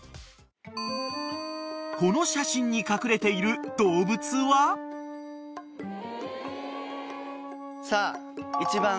［この写真に隠れている動物は？］さあ。